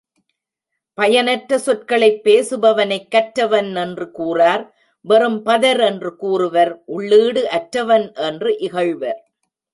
பயனற்ற சொற்களைப் பேசுபவனைக் கற்றவன் என்று கூறார் வெறும் பதர் என்று கூறுவர் உள்ளீடு அற்றவன் என்று இகழ்வர்.